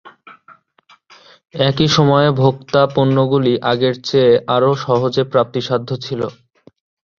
একই সময়ে, ভোক্তা পণ্যগুলি আগের চেয়ে আরও সহজে প্রাপ্তিসাধ্য ছিল।